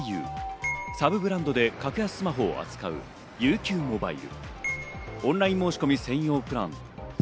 サブブランドで格安スマホを扱うＵＱモバイル、オンライン申し込み専用プランｐｏｖｏ。